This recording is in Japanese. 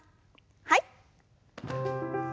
はい。